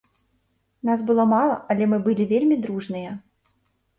Нас было мала, але мы былі вельмі дружныя.